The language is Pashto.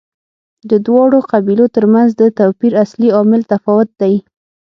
د دواړو قبیلو ترمنځ د توپیر اصلي عامل تفاوت دی.